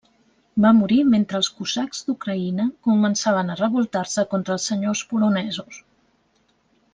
Va morir mentre els cosacs d'Ucraïna començaven a revoltar-se contra els senyors polonesos.